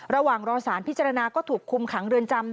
ระหว่างรอสารพิจารณาก็ถูกคุมขังเรือนจำ